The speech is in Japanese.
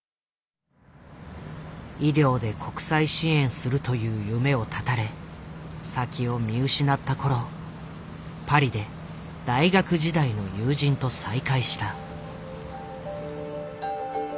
医療で国際支援するという夢を絶たれ先を見失った頃パリで大学時代の友人と再会した。